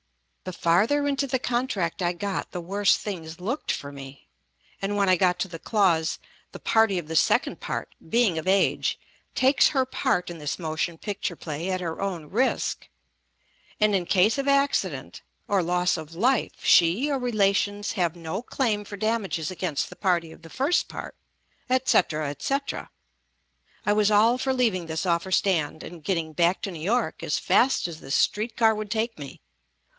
The farther into the contract I got the worse things looked for me, and when I got to the clause "the party of the second part, being of age, takes her part in this motion pic ture play at her own risk, and in case of acci dent or loss of life she or relations have no claim for damages against the party of the first part," etc., etc., I was all for leaving this offer stand and getting back to New York as fast as the street car would take me.